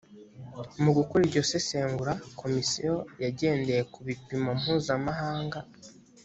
mu gukora iryo sesengura komisiyo yagendeye ku bipimo mpuzamahanga.